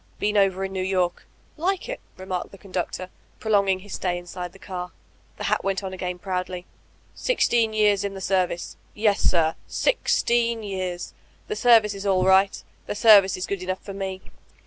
Been over in New York." ''Like it ?" remarked the conductor, protonging his stay inside the car. The hat went on again, proudly. ''Sixteen yean m the service. Yes, sir. 5'ur teen ]rears. The service is all right The service is good enough for me.